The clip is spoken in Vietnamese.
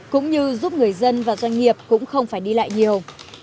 cũng như giúp người dân và doanh nghiệp cũng không phải đi lại nhiều